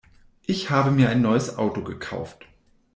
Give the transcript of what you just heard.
Ich habe mir ein neues Auto gekauft.